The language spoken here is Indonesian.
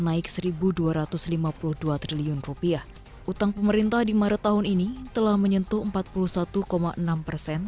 naik seribu dua ratus lima puluh dua triliun rupiah utang pemerintah di maret tahun ini telah menyentuh empat puluh satu enam persen